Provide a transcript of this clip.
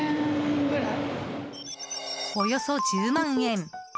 およそ１０万円。